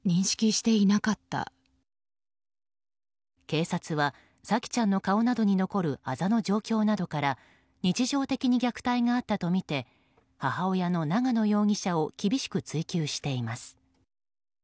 警察は沙季ちゃんの顔などに残るあざの状況などから日常的に虐待があったとみて母親の長野容疑者を厳しく追及しています。